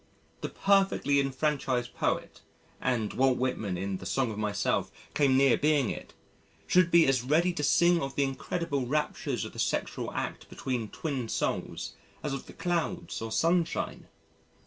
The perfectly enfranchised poet and Walt Whitman in "The Song of Myself" came near being it should be as ready to sing of the incredible raptures of the sexual act between "twin souls" as of the clouds or sunshine.